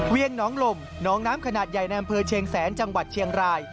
ี่ยงน้องลมน้องน้ำขนาดใหญ่ในอำเภอเชียงแสนจังหวัดเชียงราย